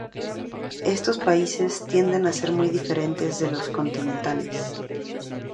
Estos países tienden a ser muy diferentes de los países continentales.